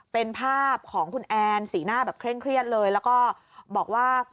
เป็นภาพของคุณแอนสีหน้าแบบเคร่งเครียดเลยแล้วก็บอกว่า